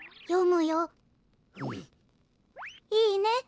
いいね？